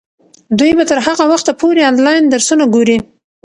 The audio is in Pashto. دوی به تر هغه وخته پورې انلاین درسونه ګوري.